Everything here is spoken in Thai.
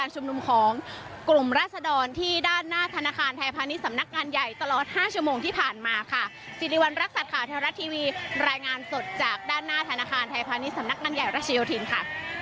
สิริวัณรักษัตริย์ข่าวเทวรัฐทีวีรายงานสดจากด้านหน้าธนาคารไทยพาณิชยสำนักงานใหญ่รัชโยธินค่ะ